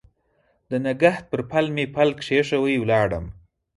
د نګهت پر پل مې پل کښېښوی ولاړم